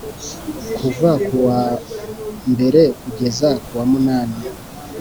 kuva mu wa mberekugera mu wa munani